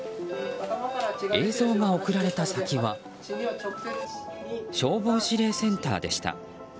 映像が送られた先は消防指令センターでした。